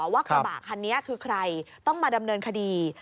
ว่ากระบะคันนี้คือใครต้องมาดำเนินคดี